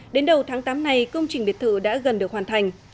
đến đầu tháng tám này công trình biệt thự đã gần được hoàn thành